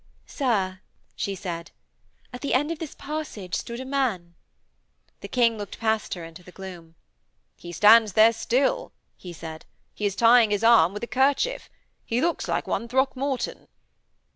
'Sir,' she said, 'at the end of this passage stood a man.' The King looked past her into the gloom. 'He stands there still,' he said. 'He is tying his arm with a kerchief. He looks like one Throckmorton.'